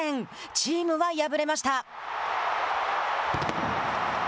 チームは敗れました。